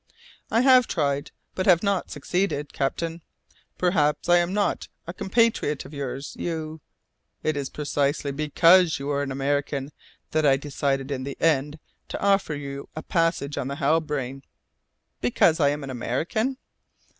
"I have tried, but I have not succeeded, captain. Perhaps, as I am not a compatriot of yours, you " "It is precisely because you are an American that I decided in the end to offer you a passage on the Halbrane." "Because I am an American?"